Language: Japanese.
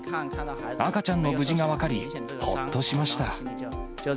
赤ちゃんの無事が分かり、ほっとしました。